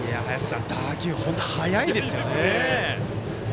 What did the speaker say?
打球、本当に速いですね。